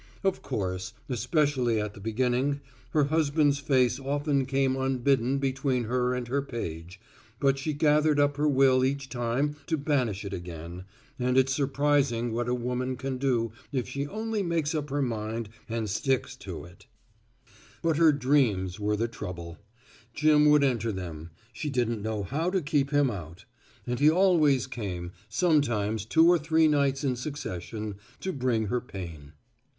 Of course, especially at the beginning, her husband's face often came unbidden between her and her page, but she gathered up her will each time to banish it again, and it's surprising what a woman can do if she only makes up her mind and sticks to it. But her dreams were the trouble. Jim would enter them. She didn't know how to keep him out. And he always came, sometimes two or three nights in succession, to bring her pain.